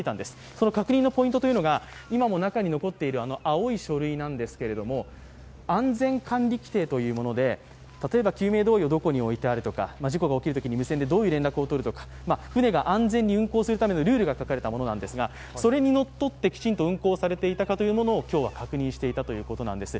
その確認のポイントというのが今も中に残っている青い書類なんですけど安全管理規程というもので、例えば救命胴衣がどこに置いてあるとか事故が起きるときに無線でどういう連絡を取るとか、船が安全に運航するためのルールが書かれたものですがそれにのっとってきちんと運航されていたかということを今日は確認していたということなんです。